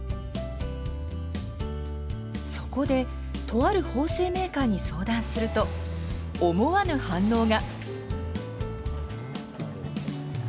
そこでとある縫製メーカーに相談すると思わず反応が。